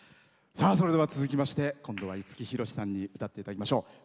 それでは続きまして今度は五木ひろしさんに歌っていただきましょう。